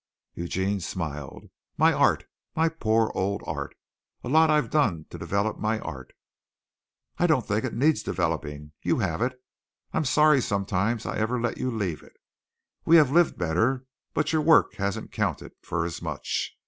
Eugene smiled. "My art. My poor old art! A lot I've done to develop my art." "I don't think it needs developing. You have it. I'm sorry sometimes I ever let you leave it. We have lived better, but your work hasn't counted for as much.